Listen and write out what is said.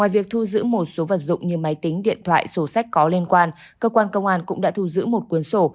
vật dụng như máy tính điện thoại sổ sách có liên quan cơ quan công an cũng đã thu giữ một cuốn sổ